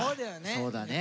そうだね。